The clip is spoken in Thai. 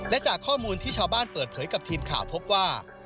และจากข้อมูลที่ชาวบ้านเปิดเผยกับทีมข่าวพบว่า